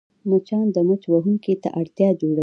مچان د مچ وهونکي ته اړتیا جوړوي